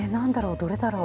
どれだろう？